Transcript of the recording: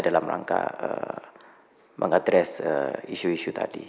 dalam rangka mengadres isu isu tadi